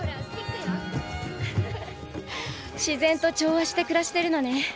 自然と調和して暮らしてるのね。